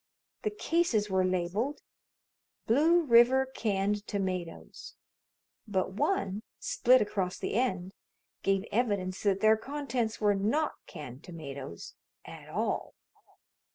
The cases were labeled "Blue River Canned Tomatoes," but one, split across the end, gave evidence that their contents were not canned tomatoes at all.